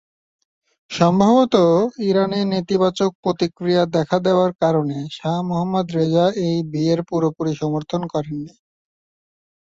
সম্ভবত ইরানে নেতিবাচক প্রতিক্রিয়া দেখা দেওয়ার কারণে শাহ মোহাম্মদ রেজা এই বিয়ের পুরোপুরি সমর্থন করেন নি।